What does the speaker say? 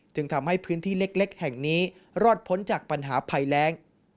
จึงทำให้พื้นที่เล็กแห่งนี้รอดพ้นจากปัญหาภัยแรง